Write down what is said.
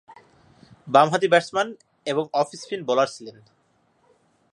বামহাতি ব্যাটসম্যান এবং off spin bowler ছিলেন।